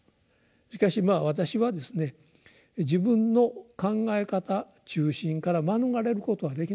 しかしまあ私はですね自分の考え方中心から免れることはできない。